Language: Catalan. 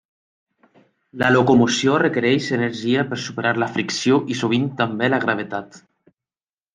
La locomoció requereix energia per superar la fricció i sovint també la gravetat.